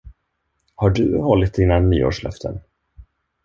Har du hållit dina nyårslöften?